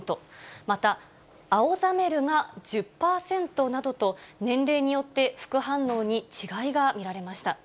また、青ざめるが１０％などと、年齢によって副反応に違いが見られました。